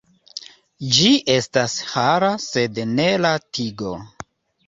Ĝi estas hara sed ne la tigo.